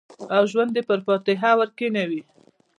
او ژوند یې پر فاتحه ورکښېنوی